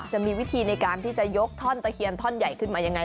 จะมีวิธีในการที่จะยกท่อนตะเคียนท่อนใหญ่ขึ้นมายังไง